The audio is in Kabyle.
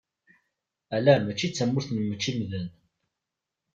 Ala, mačči d tamurt n mečč-imdanen!